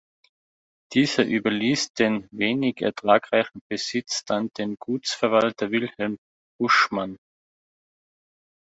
Dieser überließ den wenig ertragreichen Besitz dann dem Gutsverwalter Wilhelm Buschmann.